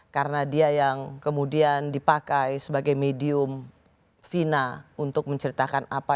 karena dia yang kemudian dipakai sebagai medium vina untuk menceritakan apa